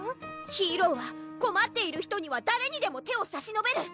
「ヒーローはこまっている人には誰にでも手をさしのべる！」